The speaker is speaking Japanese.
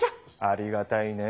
ありがたいね